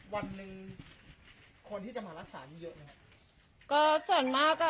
วันนึงคนที่จะมารักษานี่เยอะไหมครับ